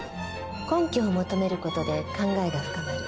根拠を求める事で考えが深まる。